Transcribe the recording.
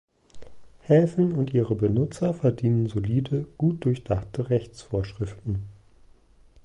Häfen und ihre Benutzer verdienen solide, gut durchdachte Rechtsvorschriften.